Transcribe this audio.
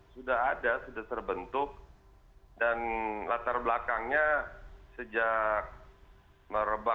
saya tidak dalam